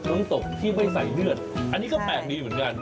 น้ำตกที่ไม่ใส่เลือดอันนี้ก็แปลกดีเหมือนกัน